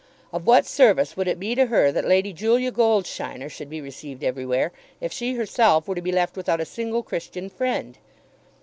Of what service would it be to her that Lady Julia Goldsheiner should be received everywhere, if she herself were to be left without a single Christian friend?